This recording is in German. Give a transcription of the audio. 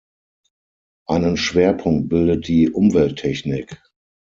Einen Schwerpunkt bildet die Umwelttechnik.